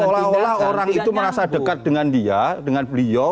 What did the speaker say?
seolah olah orang itu merasa dekat dengan beliau